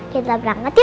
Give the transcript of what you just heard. kita berangkat yuk